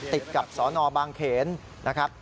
ติดกับสนบางเขนนะครับ